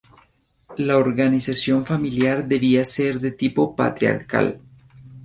La organización familiar debía ser de tipo patriarcal.